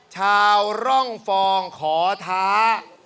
ชาวร่องฟองขอท้า